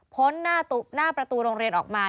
หน้าประตูโรงเรียนออกมา